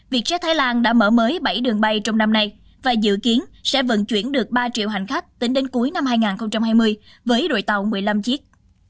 vietjet thái lan đã mở mới bảy đường bay trong năm nay và dự kiến sẽ vận chuyển được ba triệu hành khách tính đến cuối năm hai nghìn hai mươi với đội tàu một mươi năm chiếc